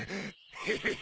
ヘヘヘ